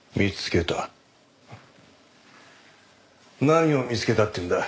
何を見つけたっていうんだ。